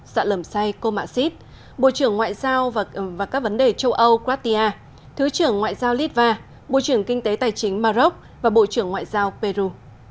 sạ lầm say cô mạ xít bộ trưởng ngoại giao và các vấn đề châu âu kratia thứ trưởng ngoại giao litva bộ trưởng kinh tế tài chính mà rốc và bộ trưởng ngoại giao peru